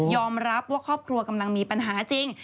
รับว่าครอบครัวกำลังมีปัญหาจริง